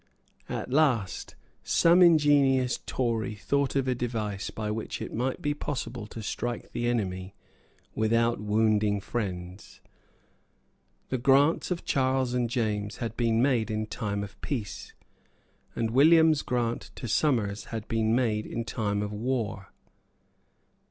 At last some ingenious Tory thought of a device by which it might be possible to strike the enemy without wounding friends. The grants of Charles and James had been made in time of peace; and William's grant to Somers had been made in time of war.